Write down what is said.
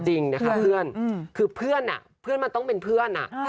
จริงนะคะเพื่อนคือเพื่อนเพื่อนมันต้องเป็นเพื่อน